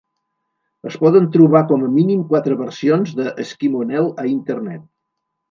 Es poden trobar com a mínim quatre versions de "Eskimo Nell" a internet.